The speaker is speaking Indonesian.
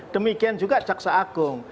demikian juga jaksa agung